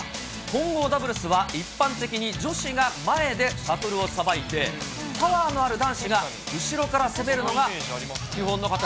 混合ダブルスは一般的に女子が前でシャトルをさばいて、パワーのある男子が後ろから攻めるのが基本の形。